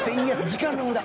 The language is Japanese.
時間の無駄。